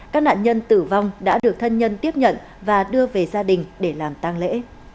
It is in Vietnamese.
các nạn nhân tử vong đã được thân nhân tiếp nhận và đưa về gia đình để làm tăng lễ